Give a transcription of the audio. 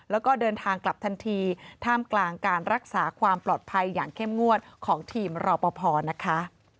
แล้วก็เดินทางกลับทันทีท่ามกลางการรักษาความปลอดภัยอย่างเข้มงวดของทีมรอปภนะคะ